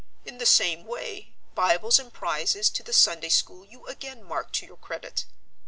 In the same way, Bibles and Prizes to the Sunday School you again mark to your credit.